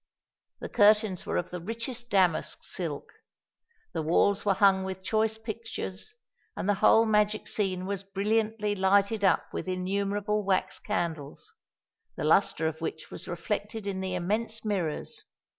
The curtains were of the richest damask silk; the walls were hung with choice pictures; and the whole magic scene was brilliantly lighted up with innumerable wax candles, the lustre of which was reflected in the immense mirrors.